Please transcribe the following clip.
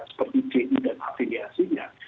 seperti jin dan afiliasinya